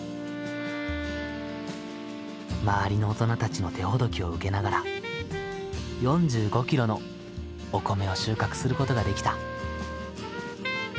周りの大人たちの手ほどきを受けながら４５キロのお米を収穫することができた。